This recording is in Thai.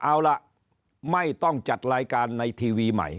เอาล่ะไม่ต้องจัดรายการในทีวีใหม่